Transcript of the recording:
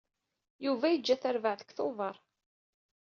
Yuba yeǧǧa tarbaɛt deg Tubeṛ.